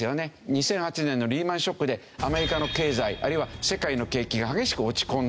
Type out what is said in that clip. ２００８年のリーマン・ショックでアメリカの経済あるいは世界の景気が激しく落ち込んだ。